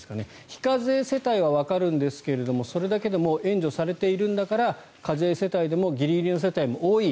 非課税世帯はわかるんですがそれだけでもう援助されているんだから課税世帯でもギリギリの世帯も多い。